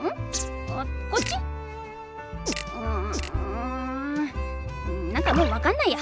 ん何かもう分かんないや。